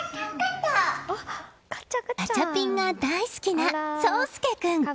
ガチャピンが大好きな蒼佑君。